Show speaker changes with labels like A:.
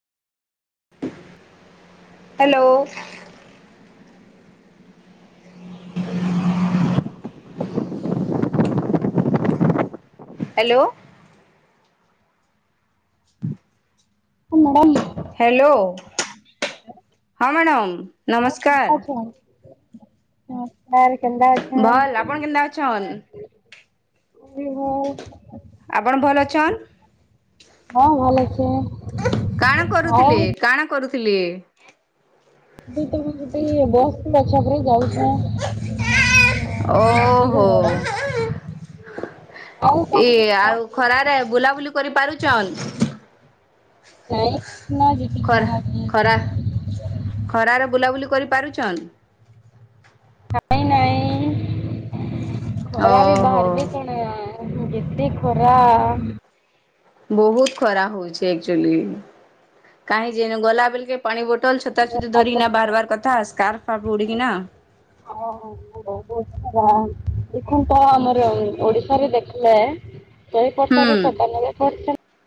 A: Hello. Hello. [inaudible]
B: ପୁର୍ବାହ୍ଣ।
A: Hello ହଁ madam ନମସ୍କାର।
B: ଅଛନ୍ ନମସ୍କାର କେନ୍ତା ଅଛନ୍
A: ଭଲ ଆପଣ କେନ୍ତା ଅଛନ୍?
B: ବି ଭଲ୍।
A: ଆପଣ ଭଲ ଅଛନ୍?
B: ହଁ ଭଲ ଅଛେ
A: କାଣା
B: ଆଉ
A: କରୁଥିଲେ କାଣା କରୁଥିଲେ?
B: [unintelligible] ଅଁ, ଦିଦି ଘର ଆଡେ
A: ଓହୋ।
B: ଆଉ ବାବୁଜୀ
A: ଇଏ
B: କେନ୍ତା
A: ଆଉ
B: ଅଛେ?
A: ଖରାରେ ବୁଲାବୁଲି କରି ପାରୁଛନ୍?
B: ନାଇଁ [unintelligible]
A: ଖରା
B: ଯେ
A: ଖରା ଖରାରେ ବୁଲାବୁଲି କରିପାରୁଛନ୍।
B: ନାଇଁ ନାଇଁ ଖରାରେ
A: ଓହୋ
B: ବାହାରିବେ କଣ ଯେତେ ଖରା।
A: ବହୁତ ଖରା ହଉଛି ଆକଚୁଲି କାହିଁ ଯେ ଗଲା ବେଲେକେ ପାଣି ବୋଟଲ୍ ଛତାଫତା
B: ବାପ
A: ଧରିକିନା ବାହାରିବ କଥା ସ୍କାର୍ଫ ଫାର୍ଫ ଉଡ଼ିକିନା
B: ଓହୋ। [unintelligible] ଦେଖ ତ ଆମର ଓଡିଶାରେ ଦେଖିଲେ
A: ହୁଁ
B: [unintelligible]